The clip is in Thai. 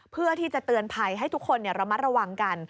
เพื่อที่จะเตือนภัยให้ทุกคนระมัดระวังกัน